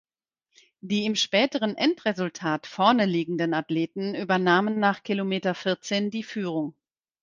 Die im späteren Endresultat vorne liegenden Athleten übernahmen nach Kilometer vierzehn die Führung.